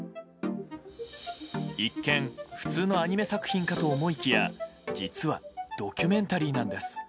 一見、普通のアニメ作品かと思いきや実は、ドキュメンタリーなんです。